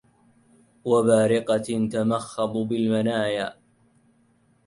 وبارقة تمخض بالمنايا